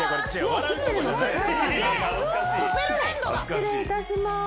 失礼いたします。